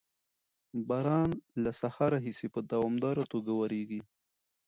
باران له سهار راهیسې په دوامداره توګه ورېږي.